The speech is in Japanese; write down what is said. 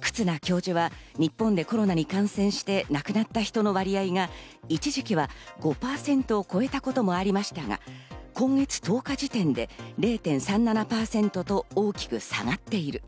忽那教授は日本でコロナに感染して亡くなった人の割合が一時期は５％を超えたこともありましたが、今月１０日時点で０．３７％と大きく下がっている。